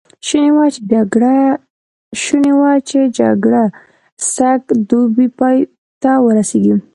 شوني وه چې جګړه سږ دوبی پای ته ورسېږي.